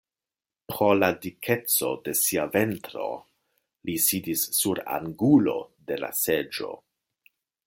Pro la dikeco de sia ventro li sidis sur angulo de la seĝo.